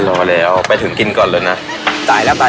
ตายแล้วก็จะไปถึงก่อนหรอกมั้นเนี้ย